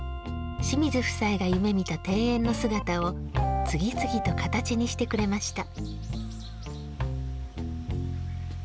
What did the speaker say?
清水夫妻が夢みた庭園の姿を次々と形にしてくれました。